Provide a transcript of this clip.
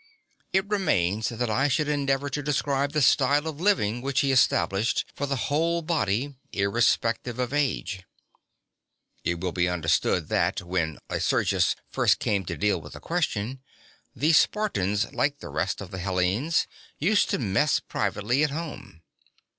It remains that I should endeavour to describe the style of living which he established for the whole body, irrespective of age. It will be understood that, when Lycurgus first came to deal with the question, the Spartans like the rest of the Hellenes, used to mess privately at home.